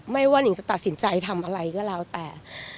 ว่านิงจะตัดสินใจทำอะไรก็แล้วแต่